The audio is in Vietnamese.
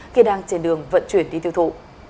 khi đang trên đường vận chuyển đi tiêu thụ